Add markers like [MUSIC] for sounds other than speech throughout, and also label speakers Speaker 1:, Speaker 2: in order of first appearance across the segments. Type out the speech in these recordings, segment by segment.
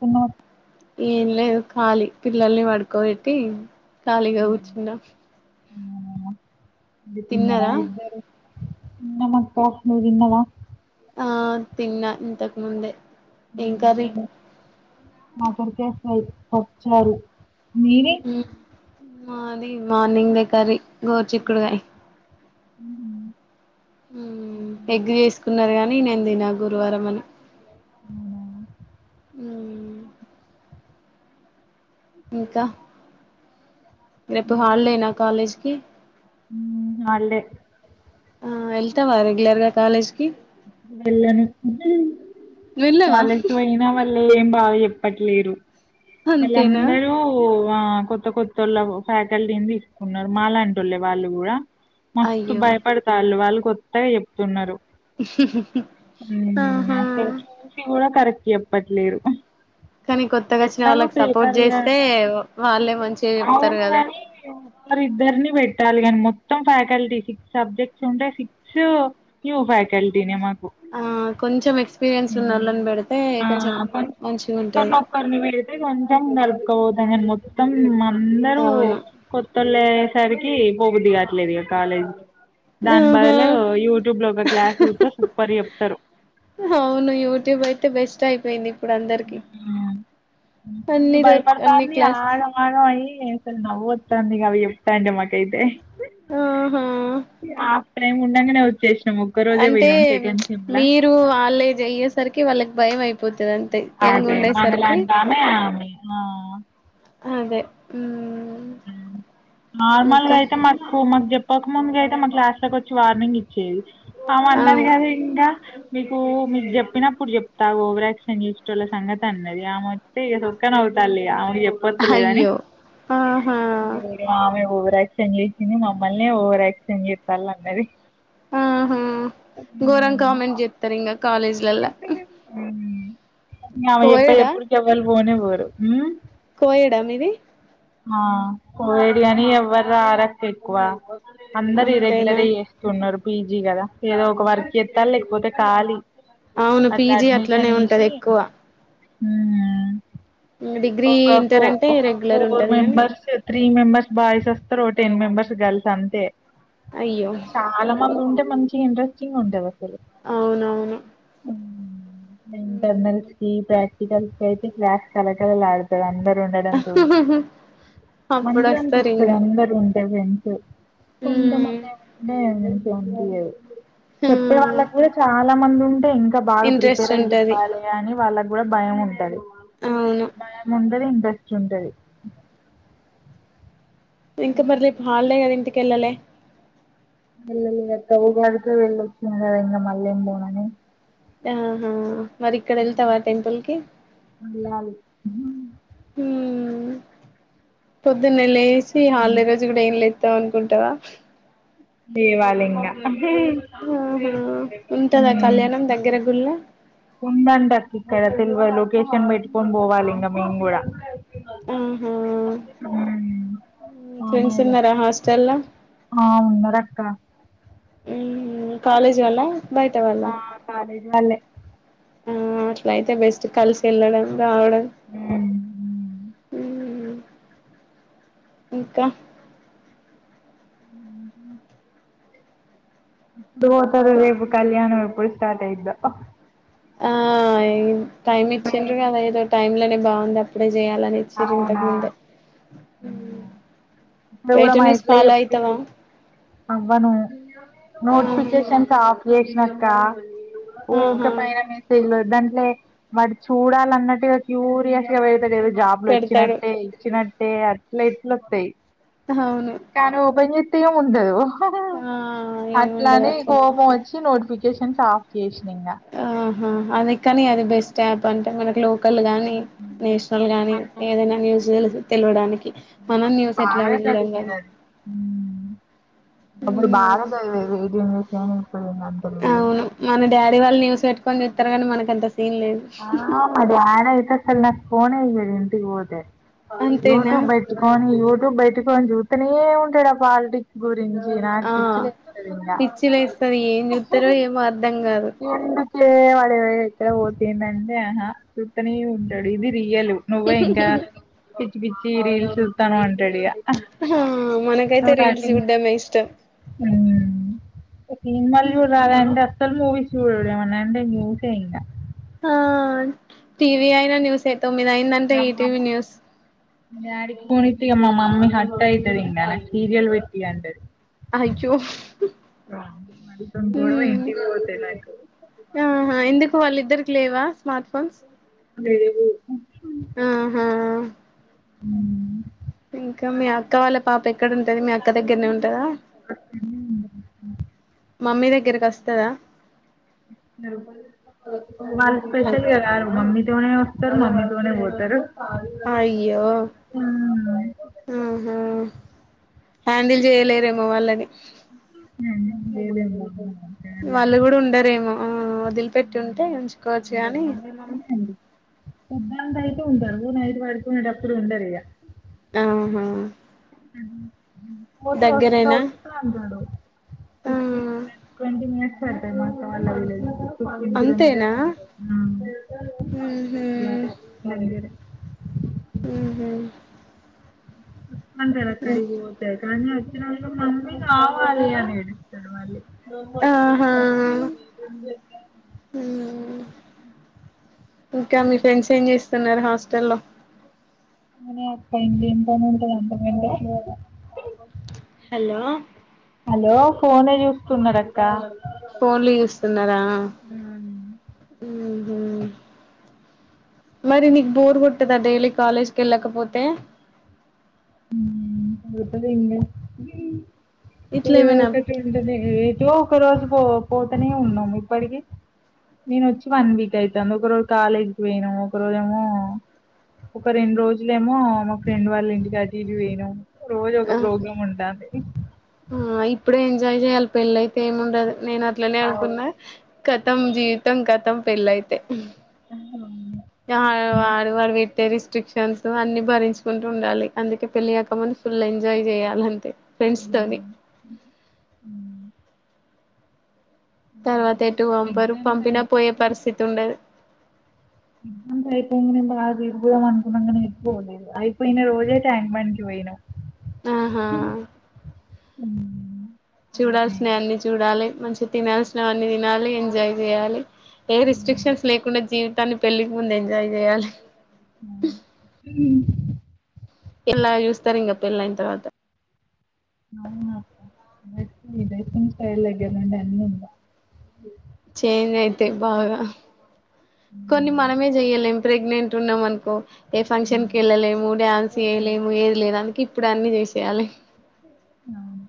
Speaker 1: తిన్నావా?
Speaker 2: ఏం లేదు ఖాళీ పిల్లల్ని పడుకోబెట్టి ఖాళీగా కూర్చున్నా
Speaker 1: ఇగ తిన్నార
Speaker 2: తిన్నారా
Speaker 1: ఇద్దారు తిన్నామక్క నువ్ తిన్నావా
Speaker 2: ఆ తిన్నా ఇంతకు ముందే ఏం కర్రీ
Speaker 1: నేను మాకొరు కేస్సై పాప్ చ్చారు మీరి
Speaker 2: మాది మార్నింగ్ దే కరి గోరు చిక్కుడుగాయ్ ఉమ్ ఎగ్గు చేసుకున్నారు గా నీ నేను తిన గురువారం అని
Speaker 1: అవునా
Speaker 2: ఇంకా రేప్ హాలిడే నా కాలేజీ కీ
Speaker 1: ఉమ్, వాళ్ళే
Speaker 2: అ వెళ్తావా రెగ్యులర్ గా కాలజీ కీ
Speaker 1: వెళ్ళను
Speaker 2: వెళ్ళావా
Speaker 1: కాలేజి కి పోయినా మ ఏం బాగ చెప్పట్లేలేరు మళ్ళ
Speaker 2: అంతేనా
Speaker 1: అందరూ ఆ కొత్త కొత్తోళ్ళ ఫ్యాకల్టీని తీసుకున్నారు మాలాంటొళ్ళే వాళ్ళు కూడా మస్తు
Speaker 2: అయ్యో
Speaker 1: భయపడతాళ్ళు వాళ్ళు కొత్తగా చెప్తున్నారు ఉమ్ అసలు
Speaker 2: ఆహా
Speaker 1: చూసి కూడా కరెక్ట్ చెప్పట్లేరు
Speaker 2: కానీ కొత్తగా వచ్చిన
Speaker 1: ఎట్లాగో
Speaker 2: వాళ్ళకి సపోర్ట్ చేస్తే
Speaker 1: [UNINTELLIGIBLE]
Speaker 2: వాళ్ళే మంచిగా చెప్తారు కదా
Speaker 1: అవునుగాని ఇద్దరిని బె పెట్టాలి గనీ మొత్తం ఫ్యాకల్టీ సిక్స్ సబ్జెక్ట్స్ ఉంటే సిక్స్ న్యూ ఫ్యాకల్టీనే మా కు
Speaker 2: ఆ కొంచెం ఎక్స్పీరియన్స్ ఉన్నోళ్ళని పెడితే కొంచెం మంచిగా ఉంటది
Speaker 1: కల్పకపోతం కని మొత్తం అందరు
Speaker 2: అవును
Speaker 1: కొత్తలే సరికి పోబుద్ది కాట్లేదు ఇగ కాలేజ్ కి దాని
Speaker 2: ఆహా
Speaker 1: బదులు యూట్యూబ్ లో ఒక క్లాస్ చూస్తే సూపర్ చెప్తారు
Speaker 2: అవును యూట్యూబ్ అయితే బెస్ట్ అయిపోయింది ఇప్పుడు అందరికి
Speaker 1: ఉమ్ ఫుల్లు
Speaker 2: అన్ని దొరక అన్ని
Speaker 1: భయపడతంది
Speaker 2: క్లాసెస్
Speaker 1: ఆగం ఆగం అయి అసల్ నవ్వుత్తంది ఇగ అవి చెప్తాంటే మకైతే
Speaker 2: ఆహా
Speaker 1: మేము ఉండగానే వచ్చేస్
Speaker 2: అంటే మీరు వాళ్ళ ఎ ఏజ్ అయ్యే సరికి వాళ్ళకి భయం అయిపోతది తే ఎంగ్
Speaker 1: అదే
Speaker 2: ఉండే సరికి
Speaker 1: మనలాంటి ఆమె ఆమె ఆ
Speaker 2: అదే ఉమ్
Speaker 1: ఉం నార్మల్ గా
Speaker 2: ఇంకా
Speaker 1: అయితే మాకు మాకు చెప్పక ముందుకైతే మా క్లాస్ లోకి వచ్చి వార్నింగ్ ఇచ్చేది అమ
Speaker 2: ఆ
Speaker 1: అన్నది కనీ ఇంకా మీకు మీరు చెప్పినప్పుడు చెప్తా ఓవరాక్షన్ చేసేటోళ్లు సంగతి అన్నది ఆ మొత్తే ఇక సొక్కన తల్లిఇగ ఆమెకి చెప్పత్త లేదని
Speaker 2: అయ్యో ఆహా
Speaker 1: ఆమె ఓవర్ ఓవర్ కరెక్షన్ చేసింది మమ్మల్నే ఓవర్ యాక్షన్ చేస్తాల అన్నది
Speaker 2: ఆహ గోరంగా కామెంట్స్ చెత్తరిగ కాలేజీ లల్లా
Speaker 1: ఆమె చెప్పే చెపుడుకు ఎవ్వలు పోనే పోరు ఉం
Speaker 2: కోఏడ్ ఆ మీది
Speaker 1: ఆ కోవిడ్ గని ఎవ్వరు రారు అక్క ఎక్కువ అందరు
Speaker 2: అంతేనా
Speaker 1: ఇరరెగ్యులర్ చేస్తున్నారు పీజీ కదా ఏదో ఒక వర్క్ చేత్తల్ లేకపోతే కాలి
Speaker 2: అవును
Speaker 1: అట్లా
Speaker 2: పీజీ అట్లనే
Speaker 1: అడ్మిషన్
Speaker 2: ఉంటది
Speaker 1: ఏసీ
Speaker 2: ఎక్కువ
Speaker 1: ఉమ్
Speaker 2: డిగ్రీ
Speaker 1: ఒక ఫో
Speaker 2: ఇంటర్ అంటే
Speaker 1: ఒక
Speaker 2: రెగ్యులర్
Speaker 1: ఫోర్
Speaker 2: ఉంటది గాని
Speaker 1: మెంబర్స్ త్రీ మెంబర్స్ బాయ్స్ వస్తారు ఒ టెన్ మెంబర్స్ గర్ల్స్ అంతే
Speaker 2: అయ్యో
Speaker 1: చాలా మంది ఉంటే మంచిగ ఇంటరెస్టింగ్ ఉంటది అసలు
Speaker 2: అవునవును
Speaker 1: ఇంటర్నల్స్ కీ ప్రాక్టికల్ అయితే క్లాస్ కలకాలడుతాది అందరు [UNINTELLIGIBLE]
Speaker 2: అప్పుడు
Speaker 1: మంచిగా ఆన్
Speaker 2: వస్తారు
Speaker 1: అనిపిస్తది
Speaker 2: ఇంగా
Speaker 1: అందరు
Speaker 2: మ్మ్
Speaker 1: కొంతమంది ఏమే ఉంటే మంచిగా అనిపియ్యది
Speaker 2: ఆ
Speaker 1: చెప్పే వాళ్ళకి చాలా మంది ఉంటే ఇంకా బాగా
Speaker 2: ఇంట్రెస్ట్
Speaker 1: ప్రిపేర్ అయి
Speaker 2: ఉంటది
Speaker 1: చెప్పాలి అని వాళ్ళ కూడా భయం ఉంటది
Speaker 2: అవును
Speaker 1: భయం ఉంటది ఇంట్రెస్ట్ ఉంటది
Speaker 2: ఇంకా మరళీ రేప్ హాలిడే కద ఇంటికి వెళ్ళాలే
Speaker 1: వెళ్ళలేదు అక్క ఉగాదికి వెళ్ళివచ్చన ఇంక మళ్ళ ఎం పోనని
Speaker 2: ఆహా మరి ఇక్కడ వెళ్తావా టెంపుల్ కి
Speaker 1: వెళ్ళాలి
Speaker 2: పొద్దున్నె లేసి హలీడే రోజు కూడా ఏం లేతం అనుకుంటవా
Speaker 1: లేవాలింగ
Speaker 2: ఆహా ఉంటదా కళ్యాణం దగ్గర గుళ్ళ
Speaker 1: ఉందంట అక్క ఇక్కడ తెలివ లొకేషన్ పెట్టుకొని పోవాలి ఇంకా మేము కూడా
Speaker 2: ఆహం ఆ ఫ్రెండ్స్
Speaker 1: మామయ్యలు
Speaker 2: ఉన్నారా హాస్టల్ ల
Speaker 1: ఆ ఉన్నారక్క
Speaker 2: మ్మ్ కాలేజ్ వాల్ల బయట వాల్ల
Speaker 1: వాలె
Speaker 2: ఆ అట్ల అయితే బెస్ట్ కలిసి వెళ్ళడం రావడం ఇంకా
Speaker 1: తారు రేపు కళ్యాణం ఏపుడు స్టార్ట్ అయిదో
Speaker 2: ఆ టైం ఇచ్చిండ్రగద ఏదో టైమ్ లోనే బాగుంది అప్పుడే చేయాలనీ ఇచ్చిరు
Speaker 1: అవునా
Speaker 2: ఇంతకముందే
Speaker 1: ఇప్పుడు కూడా
Speaker 2: వేటూన్యూస్
Speaker 1: మైక్ లో
Speaker 2: ఫాలో ఐతావా
Speaker 1: చెప్పిళ్ళు అవ్వను నోటిఫికేషన్స్ ఆఫ్ చేసినక్క ఊకే
Speaker 2: ఆహా
Speaker 1: పైన మెసేజ్లు దాని మరి చూడాలన్నట్టు క్యూరియస్ గా పెడతది ఏదో జాబ్లు
Speaker 2: పెడతాడు
Speaker 1: వచ్చినట్టే ఇచ్చినట్ టే అట్లైట్లవతే
Speaker 2: అవును
Speaker 1: కానీ ఓపెన్ చేతే ఎం ఉండదు
Speaker 2: ఆ ఏముండదు
Speaker 1: అట్లానే
Speaker 2: అట్లే
Speaker 1: కోపం వచ్చి నోటిఫికేషన్ ఆఫ్ చేసిన ఇంగ
Speaker 2: ఆహా అది కాని అది బెస్ట్ యాప్ అంటే మనకు లో కల్ గానీ నేషనల గానీ ఏదైనా న్యూస్ తెలుస్ తెలవడానికి మనం
Speaker 1: ఒకప్పుడు
Speaker 2: న్యూస్
Speaker 1: బాగా
Speaker 2: ఎట్లాగో చూడం
Speaker 1: చదివది
Speaker 2: కదా
Speaker 1: అది ఒకప్పుడో
Speaker 2: ఉమ్
Speaker 1: బాగా చదివేది ఎయిటిన్ న్యూ
Speaker 2: అవును మన డాడీ వాళ్ళు న్యూస్ పెట్టుకొని జుతారు గానీ మనకు అంత సీన్ లేదు
Speaker 1: ఆ మా డాడీ అయితే అసల్ ఫోనే ఈయడు ఇంటికిపోతే
Speaker 2: అంతేనా
Speaker 1: యూట్యూబ్ బెట్టుకొని యూట్యూబ్ బైటక్ ఫోన్ జూతానే ఉంటాడూ ఆ పొలిటికస్ గు రించి నాకు
Speaker 2: ఆ
Speaker 1: పిచ్చి లేస్తాది ఇంగా
Speaker 2: పిచ్చి లేస్తది ఏం చూస్తారో ఏమో అర్ధం కాదు
Speaker 1: వాడ ఎక్కడ పోతుందంటే ఆహ చూతనే ఉంటాడు ఇది రియల్ నువ్వే ఇంకా పిచ్చి పిచ్చి రీల్స్ చూస్తాను అంటాడు ఇగ
Speaker 2: ఆ మనకైతే రీల్స్ చూడ్డమే ఇష్టం
Speaker 1: హా సినిమాల్ చూడరాద్ అస్సల్ మూవీస్ చూడరు ఏమనాంటే ఆ న్యూసే ఇంగ
Speaker 2: ఆ టీవీ అయినా న్యూస్ ఎ తొమ్మిదిఅయింది అంటే ఈటివి న్యూస్
Speaker 1: ఇక మా మమ్మీ హట్ అయితది ఇంగా సీరియల్ పెట్టి ఇగ అంటది.
Speaker 2: అయ్యో
Speaker 1: అ విటితోని గొడవ
Speaker 2: ఉమ్
Speaker 1: ఇంటికి పోతే నైట్
Speaker 2: ఆహా ఎందుకు వాళ్ళిద్దరికి లేవా స్మార్ట్ ఫోన్స్
Speaker 1: లేవు
Speaker 2: ఆహా
Speaker 1: ఉమ్
Speaker 2: ఇంకా మీ అక్క వాళ్ళ పాప ఎక్కడుంటది మీ అక్క దగ్గరనే ఉంటదా మమ్మీ దగ్గరకొస్తదా
Speaker 1: వాళ్ళు
Speaker 2: హల్
Speaker 1: స్పెషల్ గదా మమ్మీ తోనే వస్తరు మమ్మీతోనే పోతరు
Speaker 2: అయ్యో హుహూ హ్యాండిల్ జేయలేరేమో వాళ్ళని
Speaker 1: ఎం జేయలేరు
Speaker 2: వాళ్ళు కూడా ఉండరేమో ఆ వదిలిపెట్టి ఉంటే కొంచ
Speaker 1: ఆ మమ్మీమమ్మీ ఏ అంది పోద్దంతై ఉం నైట్ పడుకునేటప్పుడు అప్పుడు ఉండరిగా
Speaker 2: ఆహా
Speaker 1: పోతే వస్తా
Speaker 2: దగ్గరేనా
Speaker 1: వస్తా అన్నాడు.
Speaker 2: ఆ
Speaker 1: ఫిఫ్టీన్ మినిట్స్ టొంటి మినిట్స్ పడతది మా అక్క వాళ్ళ ఊరికి వాళ్లిద్దరు [UNINTELLIGIBLE]
Speaker 2: అంతేనా
Speaker 1: ఉంటరు
Speaker 2: ఊహూ
Speaker 1: ఆ ఎంలె
Speaker 2: ఉహు
Speaker 1: కొందరక్కడికి పోతే కాని ఇడుండి మమ్మీ కావాలి అని ఏడుస్తాడు మళ్ళీ
Speaker 2: ఆహా
Speaker 1: హ్ హి
Speaker 2: ఊ ఇంకా మీ ఫ్రెండ్స్ ఏంజేస్తున్నారు హాస్టల్ లో
Speaker 1: ఆహ్ ఎంపనుంటది అంతకు [UNINTELLIGIBLE]
Speaker 2: హలో
Speaker 1: హలో ఫోనే చూస్తున్నాడక్క
Speaker 2: ఫోన్లు చూస్తున్నారా ఉహు మరి నీకు బోర్కొట్టదా డైలీ కాలేజ్కి వెళ్ళకపోతే
Speaker 1: ఉహ్ ఒత్తదె ఇంగ
Speaker 2: ఇట్లా
Speaker 1: ఏదో
Speaker 2: ఏమైనా
Speaker 1: ఒకటి ఉంటెనె ఏదో ఒకరోజు పో పోతనే ఉన్నాము ఇప్పటికీ నేను వచ్చి వన్ వీక్ అయితాంది. ఒక రోజు కాలేజ్కి పోయనా ఒక రోజు ఏమో ఒక రెండు రోజులేమో మా ఫ్రెండ్ వాళ్ళ ఇంటికాటిక్ తీరవొయ్నం రోజు ఒక
Speaker 2: ఆ
Speaker 1: ప్రోగ్రామ్ ఉంటాంది
Speaker 2: ఆ ఇప్పుడే ఎంజాయ్ చెయ్యాలి. పెళ్ళి అయితే ఏముండదు, నేను అట్లనే
Speaker 1: అవును
Speaker 2: అనుకున్నా. కతం జీవితం కతం పెళ్ళయితే
Speaker 1: అ
Speaker 2: వా వాడు వడు వెట్టె రిస్క్ స్టక్షన్స్ తో అన్ని భరించుకుంటూ ఉండాలి. అందుకే పెళ్ళికాకముందు ఫుల్ ఎంజాయ్ చేయాలంతే. ఫ్రెండ్స్ తోని తర్వాత ఎటువంపరు.
Speaker 1: ఎగ్జామ్స్
Speaker 2: పంపినా పోయే
Speaker 1: అయిపోగానే
Speaker 2: పరిస్థితి ఉండదు.
Speaker 1: ఎగ్జామ్స్ అయిపోంగానే పొదాం అనుకున్నం గాని పోలేదు. అయిపోయిన రోజే ట్యాంక్ బండ్ కి పోయినా.
Speaker 2: ఆహా
Speaker 1: అంతే
Speaker 2: చూడాల్సిన అన్ని చూడాలి. మంచి తినాల్సిన అవన్నీ తినాలి. ఎంజాయ్ చేయాలి. ఏ రిస్ట్రిక్షన్స్ లేకుండా జీవి అన్ని పెళ్ళికి ముందు ఎంజాయ్ చేయాలి. ఎలా చూస్తరింగ పెళ్ళైన తర్వాత
Speaker 1: అవునక్క డైటింగ్ డైటింగ్ స్టైల్ దగ్గర్నుండి అన్నుందా
Speaker 2: చేంజ్ అయితై బాగా కొన్ని మనమే జేయ్యలేం ప్రెగ్నెంట్ ఉన్నామనుకో ఏ ఫంక్షన్ కి వెళ్ళలేము. డ్యాన్స్ చేయలేము.
Speaker 1: ఎట్లనే
Speaker 2: ఏది లేదు అందుకే ఇప్పుడు అన్ని చేసేయాలి.
Speaker 1: అవును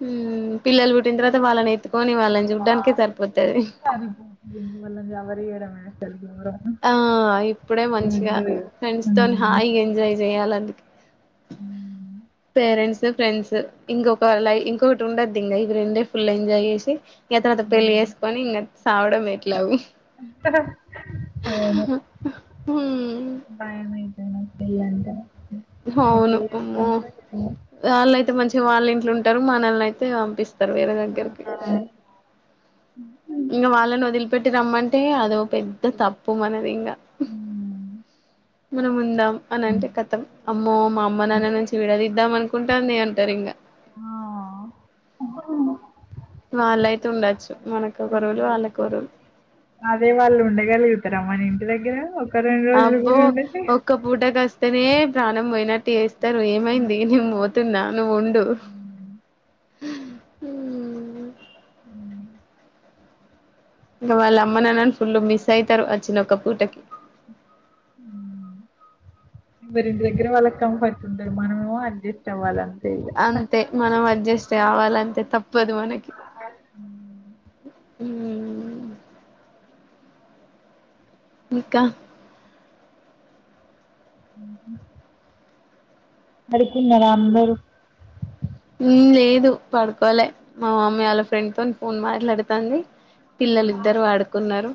Speaker 2: హుమ్మ్ పిల్లలు పుట్టిన తరవాత వాళ్ళనే తుకొని వాళ్ళని చూడ్డానికే సరిపోతది
Speaker 1: సరిపోతుంది వాళ్ళని ఎవరు చేయడం అసలు ఘోరం
Speaker 2: ఆ ఇప్పుడే మంచిగా
Speaker 1: రెండు వేలు.
Speaker 2: ఫ్రెండ్స్ తొనీ హాయిగా ఎంజాయ్ జేయ్యాలందుకే
Speaker 1: ఊఉ
Speaker 2: పేరెంట్స్ ఫ్రెండ్స్ ఇంకొక లై ఇంకొకటి ఉండద్దు. ఇంగ ఇవి రెండే ఫుల్ ఎంజాయ్ ఏసి యతనతన్ పెళ్ళి యేసుకొని ఇంగా సావడం ఎట్లవు
Speaker 1: అవును
Speaker 2: హ్మ్
Speaker 1: భయమయ్ ఏమో పెళ్లంటే
Speaker 2: హవ్ను అమ్మో
Speaker 1: ఏమో
Speaker 2: వాళ్ళయితే మంచిగ వాళ్ళ ఇంట్లో ఉంటరు మనల్ని అయితే పంపిస్ తర్ వేరే దగ్గర్కి ఇంగ వాళ్ళని వదిలిపెట్టి రమ్మంటే అదో పెద్ద తప్పు మనదింగా
Speaker 1: ఉమ్
Speaker 2: మనముందాం అనంటే కథం అమ్మో మా అమ్మ నాన్న నుంచి విడదిద్దాం అనుకుంటాంది. అంటార్ ఇంగా
Speaker 1: ఆ
Speaker 2: వాళ్ళయితే ఉండచ్చు మనకోక రూల్ వాళ్ళకో రూల్
Speaker 1: అదే వాళ్ళు ఉండగల్గుతర మన ఇంటి దగ్గర ఒక్
Speaker 2: అబ్బో ఒక్క పూట కస్త్ టేనే ప్రాణం బోయినట్టు ఏస్తారు ఏమైంది నేన్ బోతున్న నువుండూ ఇంగ వాళ్ళ అమ్మనాన్నని ఫుల్లు మిస్ అయితరు. అచ్చిన ఒక్క పూటకి
Speaker 1: ఉహ్మ్ ఎవరింటి దగ్గర వాళ్ళకి కంఫర్ట్ ఉంటది మనమేమో అడ్జస్ట్ అవ్వాల
Speaker 2: అంతే మనం అడ్జస్ట్ కావాలంతే తప్పదు మనకి ఊమ్మ్ ఇంకా
Speaker 1: ఉహు పడుకున్నరా అందరూ
Speaker 2: ఉమ్మ్ లేదు పడుకోలే మా మమ్మీ ఆళ్ళ ఫ్రెండ్ తో ఫోన్ మాట్లాడుతాంది.
Speaker 1: ఉమ్.
Speaker 2: పిల్లలిద్దరు వడుకున్నరు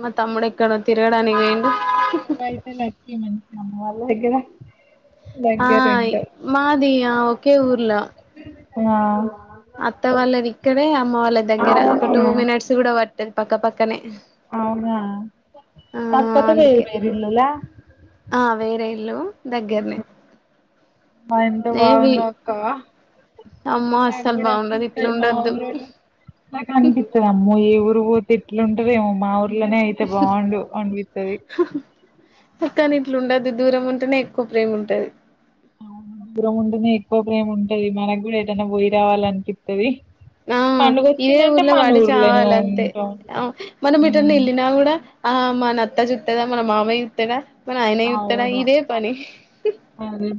Speaker 2: మా తమ్ముడెక్కడో తిరగడానికి వేయిండు
Speaker 1: నువ్వు అయితే లక్కీ మంచి అమ్మ వాళ్ళ దగ్గర
Speaker 2: ఆయ్
Speaker 1: దగ్గరుంటాయి
Speaker 2: మాది ఆ ఒకే ఊర్లో
Speaker 1: ఆ
Speaker 2: అత్త వాళ్ళదిక్కడే అమ్మ వాళ్ళ దగ్గర ఒక
Speaker 1: అవునా
Speaker 2: టూ మినిట్స్ గూడ వట్టది పక్క పక్కనే
Speaker 1: అవునా
Speaker 2: ఆ
Speaker 1: పక్కతో
Speaker 2: అందుకే
Speaker 1: వేరే ఇల్లులా
Speaker 2: దగ్గర్నె
Speaker 1: మా ఎంత బాగుండోక్క
Speaker 2: అమ్మో అస్సలు
Speaker 1: మాగుడా
Speaker 2: బాగుండదు ఇట్లా
Speaker 1: అనిపిస్తది
Speaker 2: ఉండొద్దు
Speaker 1: మాఊరే మాకన్పితది అమ్మో ఏవూర్ ఇరు తిట్లుంటదేమో మా ఊర్లేనే అయితే బాగుండు అనిపిత్తది.
Speaker 2: అకాని ఇట్లుండదు దూరం ఉంటేనే ఎక్కువ ప్రేమ ఉంటది.
Speaker 1: అవునవును దూరము ఉంటేనే ఎక్కువ ప్రేమ ఉంటది. మనగూడా యేటయినా పోయి రావాలనిపిత్తది.
Speaker 2: నా ఆ
Speaker 1: పండుగ
Speaker 2: ఇదే
Speaker 1: వచ్చిందంటే
Speaker 2: ఊర్లో
Speaker 1: మన
Speaker 2: వడి
Speaker 1: ఊర్లోనే
Speaker 2: చావాలంతే
Speaker 1: ఉంటాం
Speaker 2: ఆ మనం ఎటన్న
Speaker 1: ఉమ్
Speaker 2: ఎల్లినా కూడా ఆ మన అత్త జూత్తదా మన మామయ్యత్తడా మయన జూత్తడా
Speaker 1: అవును
Speaker 2: ఇదే పని
Speaker 1: అదే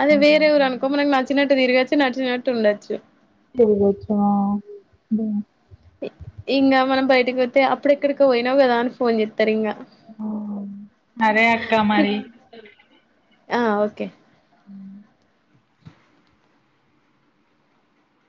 Speaker 2: అదే వేరే ఊరు అనుకో మనకు నచ్చినట్టు తిరగచ్చు. నచ్చినట్టు ఉండచ్చు.
Speaker 1: తిరుగొచ్చ ఆ
Speaker 2: ఈ ఇంగా మనం బయటకోతే అప్పుడెక్కడికో ఒయినవు గదా అని ఫోన్ జేత్ త్రింగా
Speaker 1: ఆ. సరే అక్క మరి
Speaker 2: ఆ ఓకే